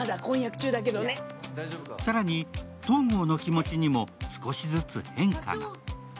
更に、東郷の気持ちにも少しずつ変化が。